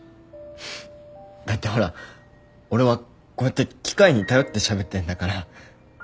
だってほら俺はこうやって機械に頼ってしゃべってんだから。